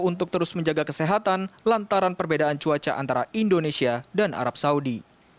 untuk terus menjaga kesehatan lantaran perbedaan cuaca antara indonesia dan arab saudi